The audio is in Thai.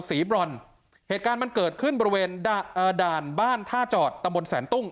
สีบรรเหตุการณ์มันเกิดขึ้นบริเวณด่าเอ่อด่านบ้านท่าจอดตะบนแสนตุ้ง